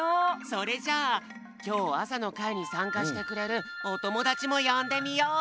それじゃあきょう朝の会にさんかしてくれるおともだちもよんでみよう！